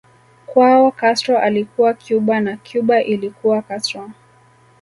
Kwao Castro alikuwa Cuba na Cuba ilikuwa Castro